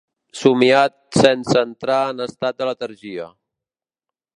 Somiat sense entrar en estat de letargia.